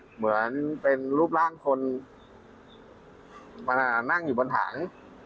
เหมือนเป็นรูปร่างคนนั่งอยู่บนถัง